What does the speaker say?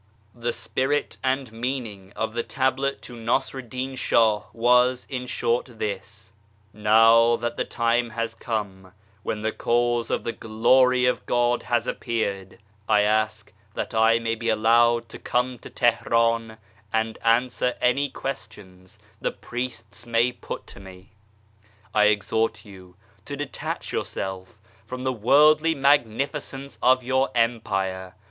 ACTION 71 The spirit and meaning of the Tablet to Nassar ed din Shah was, in short, this :" Now that the time has come, when the Cause of the Glory of God has appeared, I ask that I may be allowed to come to Teheran and answer any questions the priests may put to me. "I exhort you to detach yourself from the worldly magnificence of your Empire.